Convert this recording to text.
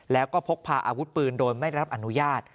แล้วก็พกพาอาวุธปืนโดยไม่ได้รับอนุญาต